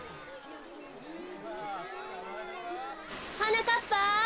はなかっぱ。